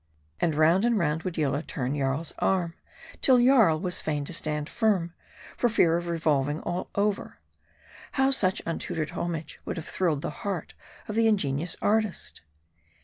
And round and round would Yillah turn Jarl's arm, till Jarl was fain to stand firm, for fear of revolving all over. How such untutored homage would have thrilled the heart of the ingenious artist